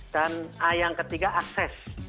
dan yang ketiga akses